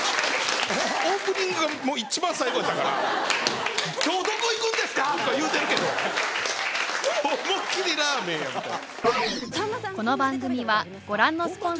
オープニングがもう一番最後やったから「今日どこ行くんですか？」とか言うてるけど思いっ切りラーメンやみたいな。